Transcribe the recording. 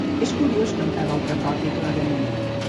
És curiós que encara els recordi clarament.